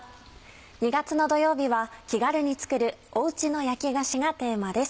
２月の土曜日は「気軽に作るおうちの焼き菓子」がテーマです。